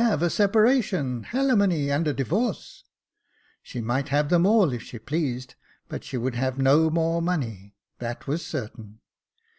Have a separation, /6ali mony, and a divorce. She might have them all if she pleased, but she should have no more money ; that was certain.